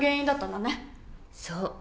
そう。